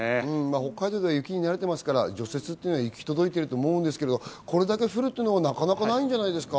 北海道は雪に慣れているので除雪は行き届いていると思うんですが、これだけ降るというのはなかなかないんじゃないですか？